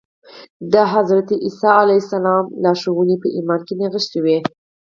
د حضرت عيسی عليه السلام لارښوونې په ايمان کې نغښتې وې.